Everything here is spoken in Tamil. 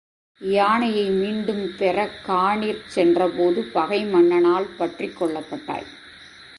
யானையை மீண்டும் பெறக் கானிற் சென்றபோது பகை மன்னனால் பற்றிக் கொள்ளப்பட்டாய்!